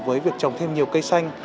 với việc trồng thêm nhiều cây xanh